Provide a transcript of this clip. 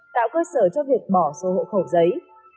tạo cơ sở cho việc bỏ số hộ khẩu giấy